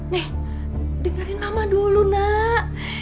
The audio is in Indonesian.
deh dengerin mama dulu nak